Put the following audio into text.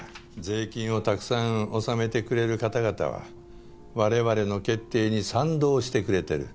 税金をたくさん納めてくれる方々は我々の決定に賛同してくれている。